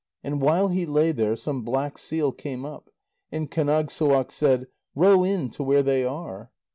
And while he lay there, some black seal came up, and Kánagssuaq said: "Row in to where they are."